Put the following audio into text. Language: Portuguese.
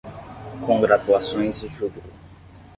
Congratulações e júbilo